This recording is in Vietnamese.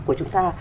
của chúng ta